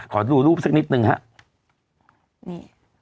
ขอดูรูปซักนิดหนึ่งฮะนี่รูปนี้นะคะ